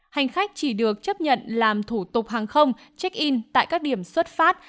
hành khách chỉ được chấp nhận làm thủ tục hàng không check in tại các điểm xuất phát